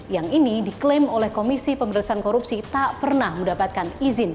yang ini diklaim oleh komisi pemberantasan korupsi tak pernah mendapatkan izin